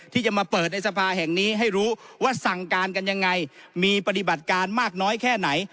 ที่จะมาเปิดในสภาแห่งนี้ให้รู้ว่าสั่งการกันยังไงมีปฏิบัติการมากน้อยแค่ไหน